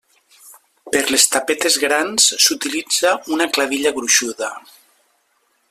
Per les tapetes grans, s'utilitza una clavilla gruixuda.